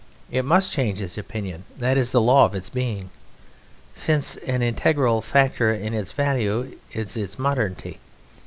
It must change its opinion, that is the law of its being, since an integral factor in its value is its modernity.